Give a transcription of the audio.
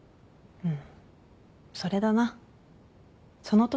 うん。